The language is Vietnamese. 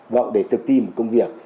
hoặc để tự tìm công việc